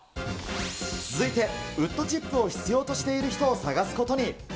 続いて、ウッドチップを必要としている人を探すことに。